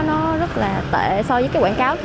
nó rất là tệ so với cái quảng cáo